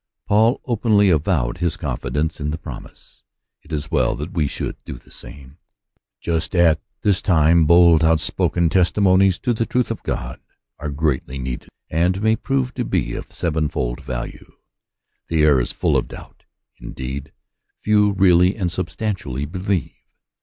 Paul openly avowed his confidence in the promise. It is well that we should do the same. Just at this time, bold, outspoken testimonies to the truth of God are greatly needed, and may prove to be of seven fold value. The air is full of doubt ; indeed, few really and substantially believe.